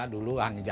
dulu hanya jalan